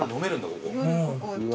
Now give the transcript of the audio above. ここ。